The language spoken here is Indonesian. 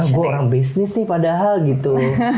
wah gue orang bisnis nih padahal gitu